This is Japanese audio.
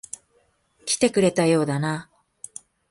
来てくれたようだな。